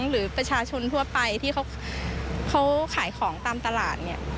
หรือประชาชนทั่วไปที่เขาขายของตามตลาดเนี่ย